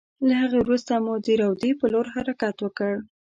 له هغې وروسته مو د روضې په لور حرکت وکړ.